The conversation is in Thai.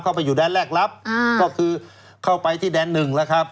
ไปอยู่แดนแรกรับก็คือเข้าไปที่แดนหนึ่งแล้วครับ